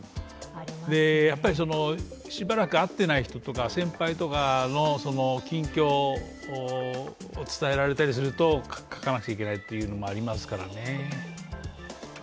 しばらく会ってない人とか先輩とかの近況を伝えられたりすると、書かなくちゃいけないというのもありますからね。